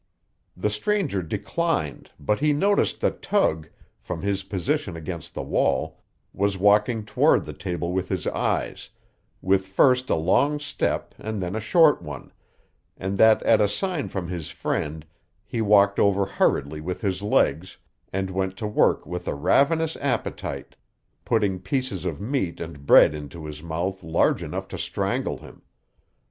The stranger declined, but he noticed that Tug, from his position against the wall, was walking toward the table with his eyes, with first a long step and then a short one, and that at a sign from his friend he walked over hurriedly with his legs, and went to work with a ravenous appetite, putting pieces of meat and bread into his mouth large enough to strangle him.